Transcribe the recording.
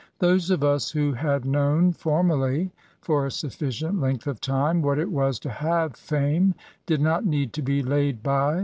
Those of us who had known formerly, for a sufficient length of time, what it was to have fame, did not need to be laid by.